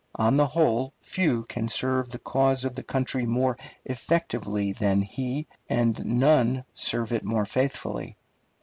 On the whole, few can serve the cause of the country more effectively than he, and none serve it more faithfully.